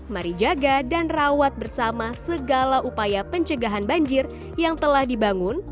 mari jaga dan rawat bersama segala upaya pencegahan banjir yang telah dibangun